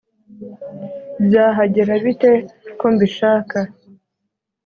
byhagera bite ko mbishaka